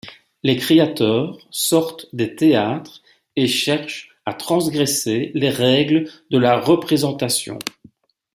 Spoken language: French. Les créateurs sortent des théâtres et cherchent à transgresser les règles de la représentation.